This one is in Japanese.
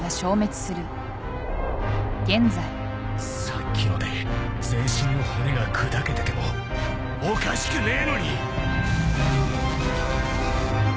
さっきので全身の骨が砕けててもおかしくねえのに。